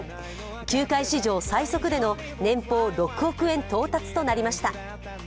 球界史上最速での年俸６億円到達となりました。